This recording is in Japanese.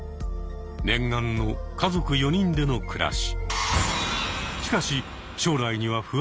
念願の家族４人での暮らし。